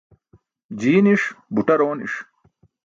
Jii niṣ, buṭar ooni̇ṣ.